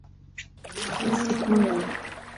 吴其沆人。